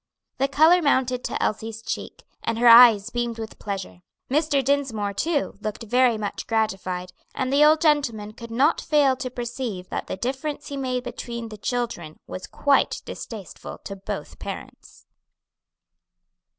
The color mounted to Elsie's cheek, and her eyes beamed with pleasure. Mr. Dinsmore, too, looked very much gratified, and the old gentleman could not fail to perceive that the difference he made between the children was quite distasteful to both parents.